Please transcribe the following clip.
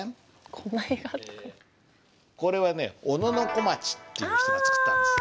これはね小野小町っていう人が作ったんです。